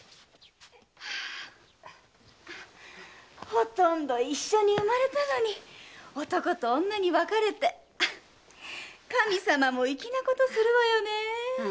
ほとんど一緒に産まれたのに男と女に分かれて神さまも粋なことするわよねえ。